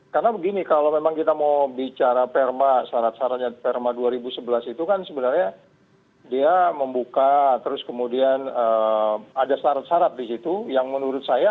karena begini kalau memang kita mau bicara perma syarat syaratnya perma dua ribu sebelas itu kan sebenarnya dia membuka terus kemudian ada syarat syarat di situ yang menurut saya